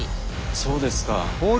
そうですか。